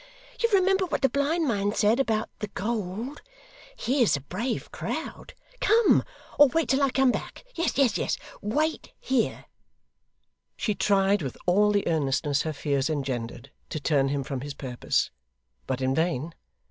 You remember what the blind man said, about the gold. Here's a brave crowd! Come! Or wait till I come back yes, yes, wait here.' She tried with all the earnestness her fears engendered, to turn him from his purpose, but in vain.